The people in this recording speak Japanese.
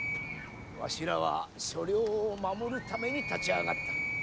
わしらは所領を守るために立ち上がった。